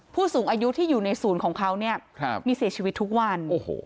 ผู้สูงอายุที่อยู่ในศูนย์ของเขาเนี่ยมีเสียชีวิตทุกวัน